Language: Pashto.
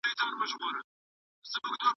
زه بايد ږغ واورم.